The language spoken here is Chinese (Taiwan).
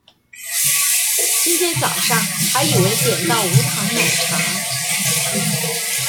今天早上還以為點到無糖奶茶